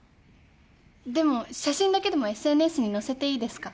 でも写真だけでもＳＮＳに載せていいですか？